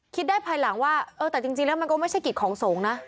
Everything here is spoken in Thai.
คิดได้ภายหลังว่าเออแต่จริงแล้วมันก็ไม่ใช่กิจของสงฆ์นะ